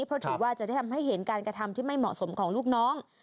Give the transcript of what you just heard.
เพราะถือว่าจะได้ทำให้เห็นการกระทำที่ไม่เหมาะสมของลูกน้อง